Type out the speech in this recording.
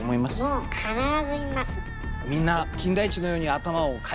もう必ず見ます。